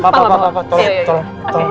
maaf maaf maaf tolong tolong masukin ke dalam ya